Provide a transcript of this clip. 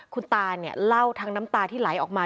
คุณตาเนี่ยเล่าทั้งน้ำตาที่ไหลออกมา